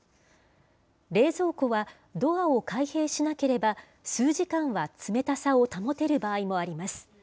冷蔵庫はドアを開閉しなければ数時間は冷たさを保てる場合もあります。